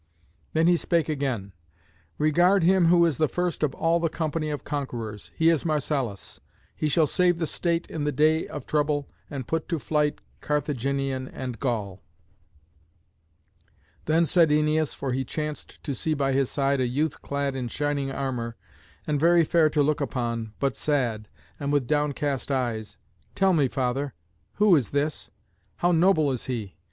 Then he spake again: "Regard him who is the first of all the company of conquerors. He is Marcellus; he shall save the state in the day of trouble, and put to flight Carthaginian and Gaul." Then said Æneas, for he chanced to see by his side a youth clad in shining armour, and very fair to look upon, but sad, and with downcast eyes, "Tell me, father, who is this? How noble is he!